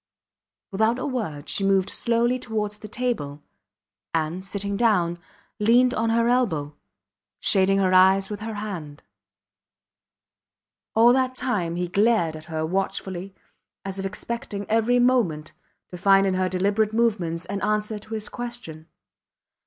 Without a word she moved slowly towards the table, and, sitting down, leaned on her elbow, shading her eyes with her hand. All that time he glared at her watchfully as if expecting every moment to find in her deliberate movements an answer to his question.